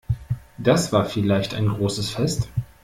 Das war vielleicht ein großes Fest.